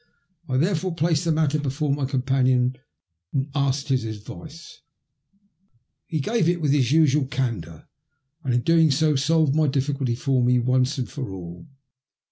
I therefore placed the matter before my com panion and ask his advice. He gave it with his usual MT CHANCE IN LIFE. 7 candour, and in doing so solved my difficulty for me once and for all.